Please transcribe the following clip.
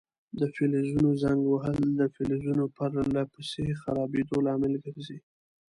د فلزونو زنګ وهل د فلزونو پر له پسې خرابیدو لامل ګرځي.